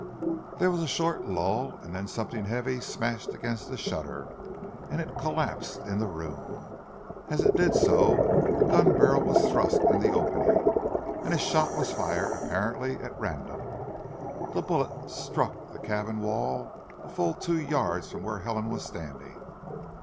There was a short lull, then something heavy smashed against the shutter and it collapsed in the room. As it did so a gun barrel was thrust in the opening, and a shot was fired apparently at random. The bullet struck the cabin wall a full two yards from where Helen was standing.